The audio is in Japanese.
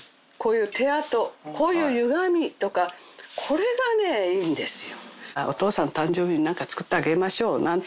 こういうゆがみとかこれがねいいんですよ。